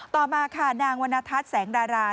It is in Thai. ต่อมาค่ะนางวรรณทัศน์แสงดารา